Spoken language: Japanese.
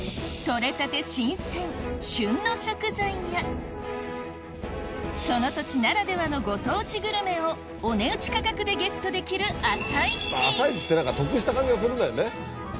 取れたて新鮮旬の食材やその土地ならではのご当地グルメをお値打ち価格でゲットできる朝市朝市って何か得した感じがするんだよね。